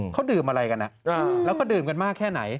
เขาดื่มอะไรกันแล้วก็ดื่มกันมากแค่ไหน